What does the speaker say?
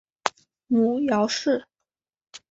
母姚氏。